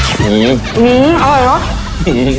อืมอร่อยแล้ว